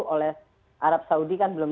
oleh arab saudi kan belum